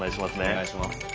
お願いします。